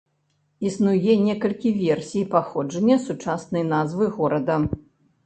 Існуе некалькі версій паходжання сучаснай назвы горада.